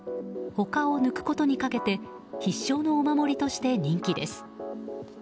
他を抜くことにかけて必勝のお守りとして人気です。